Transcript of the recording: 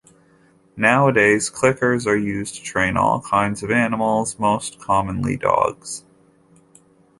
Nowadays, clickers are used to train all kinds of animals, most commonly dogs.